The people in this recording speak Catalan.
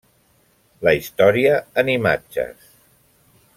La història en imatges.